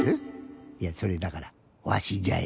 いやそれだからわしじゃよ。